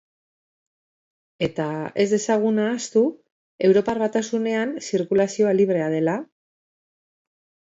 Eta ez dezagun ahaztu Europar Batasunean zirkulazioa librea dela?